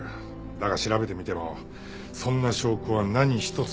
だが調べてみてもそんな証拠は何一つ出てこない。